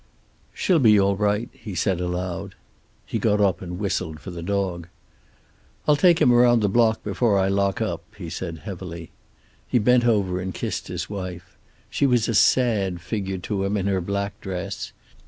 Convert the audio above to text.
"She'll be all right," he said aloud. He got up and whistled for the dog. "I'll take him around the block before I lock up," he said heavily. He bent over and kissed his wife. She was a sad figure to him in her black dress.